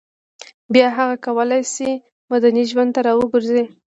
بیا هغه کولای شي مدني ژوند ته راوګرځي